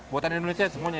buatan indonesia semuanya ya